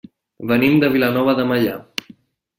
Venim de Vilanova de Meià.